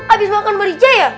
abis makan merica ya